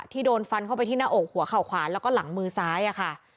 โดนฟันเข้าไปที่หน้าอกหัวเข่าขวาแล้วก็หลังมือซ้ายค่ะ